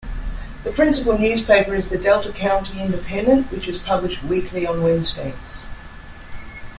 The principal newspaper is the "Delta County Independent", which is published weekly on Wednesdays.